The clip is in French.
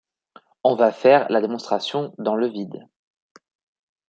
On va faire la démonstration dans le vide.